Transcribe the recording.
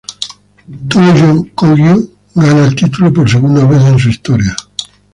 Toyo Kogyo gana el título por segunda vez en su historia.